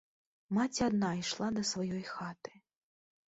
Маці адна ішла да сваёй хаты.